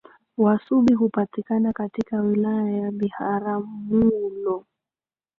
Wasubi hupatikana katika wilaya ya Biharamulo